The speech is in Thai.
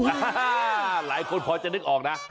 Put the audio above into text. อ่าหลายคนพอจะนึกออกนะ